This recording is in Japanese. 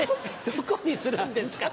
どこにするんですか？